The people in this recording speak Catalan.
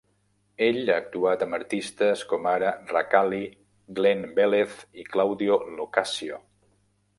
Ell ha actuat amb artistes com ara Rakali, Glen Velez i Claudio Lo Cascio.